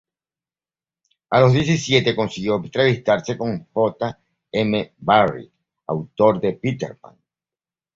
A los diecisiete consiguió entrevistarse con J. M. Barrie, autor de "Peter Pan".